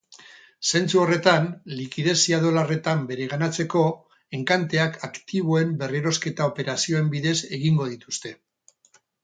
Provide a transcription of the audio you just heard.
Zentzu horretan, likidezia dolarretan bereganatzeko enkanteak aktiboen berrerosketa operazioen bidez egingo dituzte.